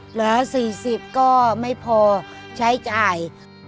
เหลือ๔๐ก็ไม่พอใช้จ่าย